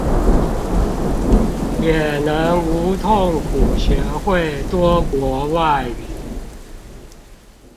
也能無痛苦學會多國外語